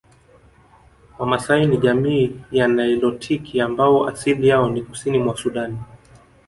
Wamaasai ni jamii ya nilotiki ambao asili yao ni Kusini mwa Sudani